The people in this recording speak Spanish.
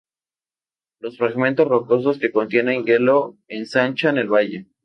Los fragmentos rocosos que contienen hielo ensanchan el valle.